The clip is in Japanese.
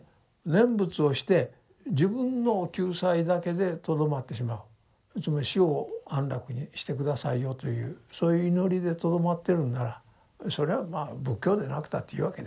念仏をして自分の救済だけでとどまってしまうつまり「死後を安楽にして下さいよ」というそういう祈りでとどまってるんならそれはまあ仏教でなくたっていいわけですよ。